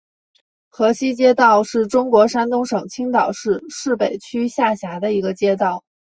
河西街道是中国山东省青岛市市北区下辖的一个街道。